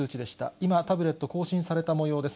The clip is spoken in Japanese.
今、タブレット更新されたもようです。